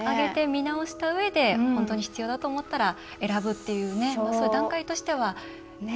見直したうえで本当に必要だったら選ぶというそういう段階としてはね。